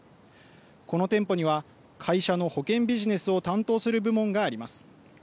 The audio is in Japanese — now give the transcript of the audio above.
この店舗には会社の保険ビジネスを担当する部門があります。